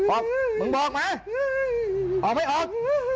ออกมึงบอกไหมออกไม่ออก